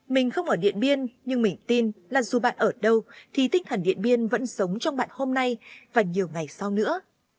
mình không ở điện biên nhưng mình tin là dù bạn ở đâu thì tinh thần điện biên vẫn sống trong bạn hôm nay và nhiều ngày sau nữa